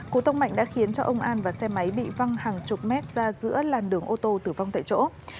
cú tông mạnh đã khiến ông an và xe máy bị văng hàng chục mét ra giữa làn đường ô tô tử vong tại chỗ